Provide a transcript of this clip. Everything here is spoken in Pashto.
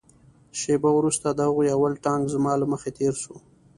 شېبه وروسته د هغوى اول ټانک زما له مخې تېر سو.